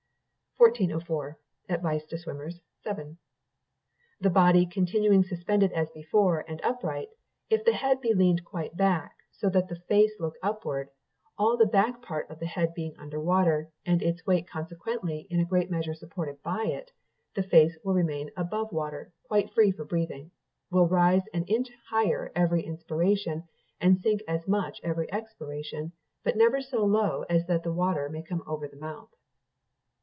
1404. continued... "The body continuing suspended as before, and upright, if the head be leaned quite back, so that the face look upward, all the back part of the head being under water, and its weight consequently in a great measure supported by it, the face will remain above water quite free for breathing, will rise an inch higher every inspiration, and sink as much every expiration, but never so low as that the water may come over the mouth.